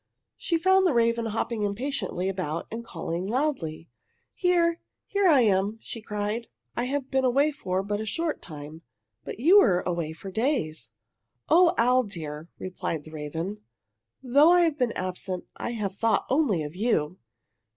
She found the raven hopping impatiently about and calling loudly. "Here here I am!" she cried. "I have been away for but a short time but you were away for days!" "Oh, owl, dear," replied the raven, "though I have been absent I have thought only of you!